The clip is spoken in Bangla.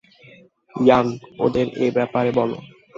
ইয়াং, ওদের এ ব্যাপারে বলো।